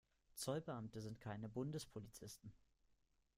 Zollbeamte sind keine Bundespolizisten.